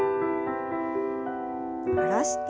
下ろして。